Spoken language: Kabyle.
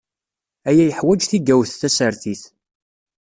Aya yeḥwaj tigawt tasertit.